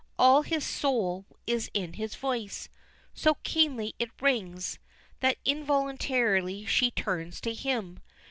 All his soul is in his voice. So keenly it rings, that involuntarily she turns to him.